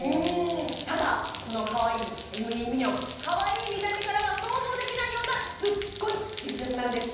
ただこのかわいいＭＥミニョンかわいい見た目からは想像できないようなすっごい実力なんです